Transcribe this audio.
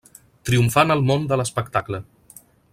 Triomfar en el món de l'espectacle.